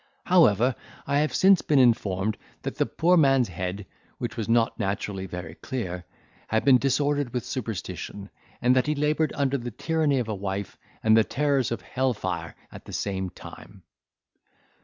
However, I have been since informed that the poor man's head, which was not naturally very clear, had been disordered with superstition, and that he laboured under the tyranny of a wife, and the terrors of hellfire at the same time.